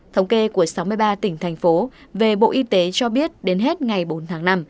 thống kê của sáu mươi ba tỉnh thành phố về bộ y tế cho biết đến hết ngày bốn tháng năm